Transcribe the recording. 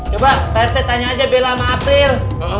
coba tanya aja bella sama april